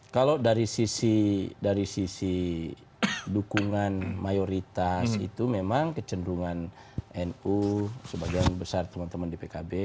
kalau dari sisi dukungan mayoritas itu memang kecenderungan nu sebagian besar teman teman di pkb